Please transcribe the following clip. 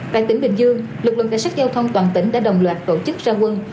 tại tỉnh bình dương lực lượng cảnh sát giao thông toàn tỉnh đã đồng loạt tổ chức ra quân